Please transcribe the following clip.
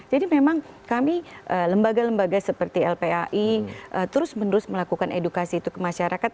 jadi memang kami lembaga lembaga seperti lpai terus menerus melakukan edukasi itu ke masyarakat